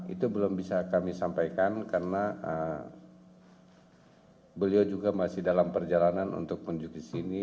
itu belum bisa kami sampaikan karena beliau juga masih dalam perjalanan untuk menuju ke sini